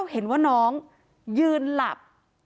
เห็นว่าน้องยืนหลับ